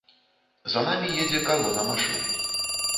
За намі едзе калона машын.